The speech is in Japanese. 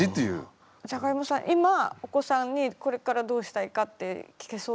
今お子さんにこれからどうしたいかって聞けそうですか？